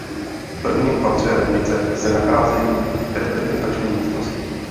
V prvním patře radnice se nacházejí reprezentační místnosti.